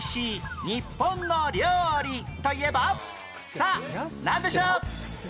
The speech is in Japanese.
さあなんでしょう？